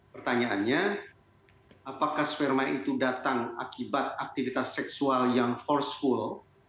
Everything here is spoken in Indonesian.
pertanyaannya apakah sperma itu datang akibat aktivitas seksual yang first full